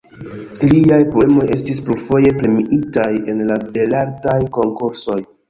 Liaj poemoj estis plurfoje premiitaj en la Belartaj Konkursoj.